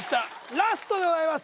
ラストでございます